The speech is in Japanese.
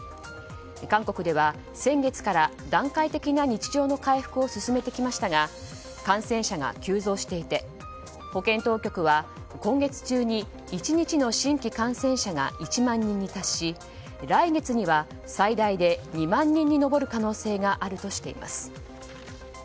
韓国では先月から段階的な日常の回復を進めてきましたが感染者が急増していて保健当局は今月中に１日の新規感染者が１万人に達し、来月には最大で２万人に上る可能性があるとしています。